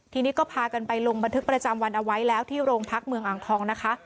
ทีนี้ก็พากันไปลงบันทึกประจำวันเอาไว้แล้วที่โรงพักเมืองอ่างทองนะคะ